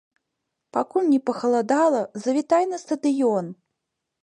Пакуль не пахаладала, завітай на стадыён!